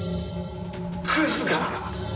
クズが。